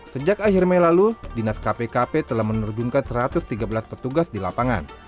sejak akhir mei lalu dinas kpkp telah menerjunkan satu ratus tiga belas petugas di lapangan